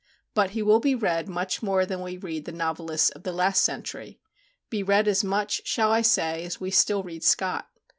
But he will be read much more than we read the novelists of the last century be read as much, shall I say, as we still read Scott.